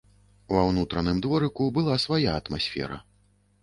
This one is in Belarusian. Ва ўнутраным дворыку была свая атмасфера.